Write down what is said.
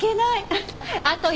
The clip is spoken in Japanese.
はい。